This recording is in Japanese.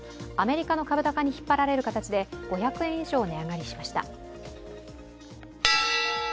アメリカの株高に引っ張られる形で５００円以上、値上がりしました。